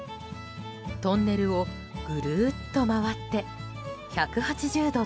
トンネルをグルーッと回って１８０度